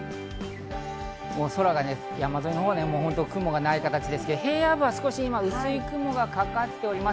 空が山ぞいのほう、雲がない形ですけど平野部は今薄い雲がかかっております。